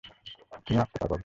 তুমি আস্ত পাগল।